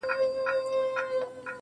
اوس په فلسفه باندي پوهېږمه.